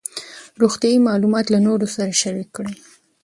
روغتیایي معلومات له نورو سره شریک کړئ.